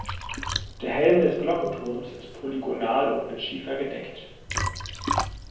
Der Helm des Glockenturms ist polygonal und mit Schiefer gedeckt.